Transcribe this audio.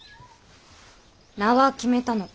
名は決めたのか。